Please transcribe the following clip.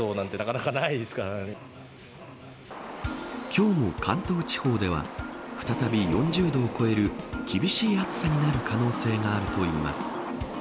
今日も関東地方では再び４０度を超える厳しい暑さになる可能性があるといいます。